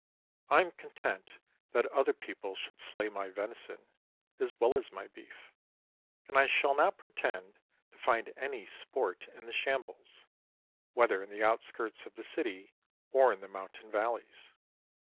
I am content that other people should slay my venison as well as my beef; and I shall not pretend to find any sport in the shambles, whether in the outskirts of the city or in the mountain valleys.